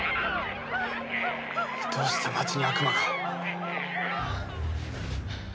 「」どうして街に悪魔が。